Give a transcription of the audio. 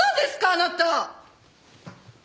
あなた！